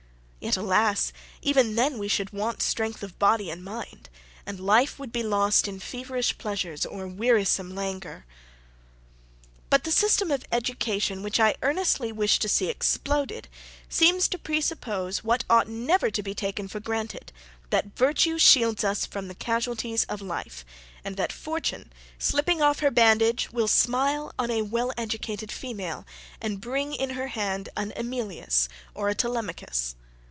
Yet, alas! even then we should want strength of body and mind, and life would be lost in feverish pleasures or wearisome languor. But the system of education, which I earnestly wish to see exploded, seems to presuppose, what ought never to be taken for granted, that virtue shields us from the casualties of life; and that fortune, slipping off her bandage, will smile on a well educated female, and bring in her hand an Emilius or a Telemachus.